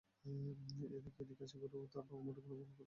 এদিকে আশিকুর ও তাঁর বাবার মুঠোফোনে কল করে দুটি ফোনই বন্ধ পাওয়া গেছে।